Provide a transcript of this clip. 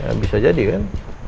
ya bisa jadi kan